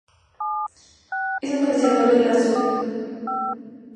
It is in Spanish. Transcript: Es un potenciador de la subunidad del receptor alfa, alfa, alfa del ácido gamma-aminobutírico.